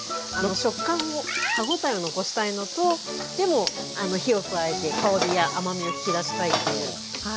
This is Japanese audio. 食感を歯ごたえを残したいのとでも火を加えて香りや甘みを引き出したいという。